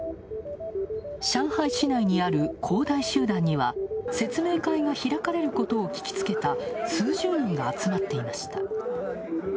上海市内にある恒大集団には、説明会が開かれることを聞きつけた数十人が集まっていました。